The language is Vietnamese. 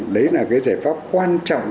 đấy là cái giải pháp quan trọng